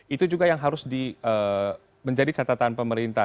itu juga yang harus menjadi catatan pemerintah